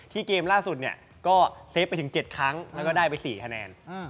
เกมล่าสุดเนี่ยก็เซฟไปถึง๗ครั้งแล้วก็ได้ไป๔คะแนน